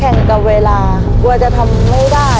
เลยไม่รอเลยอะ็หนึ่งดังเลยอะ